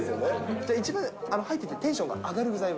じゃあ、一番入っててテンションが上がる具材は。